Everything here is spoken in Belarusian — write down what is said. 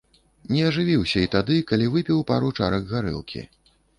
Не ажывіўся і тады, калі выпіў пару чарак гарэлкі.